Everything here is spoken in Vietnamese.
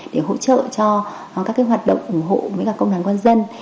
để hỗ trợ cho các hoạt động ủng hộ với cả công đoàn quân dân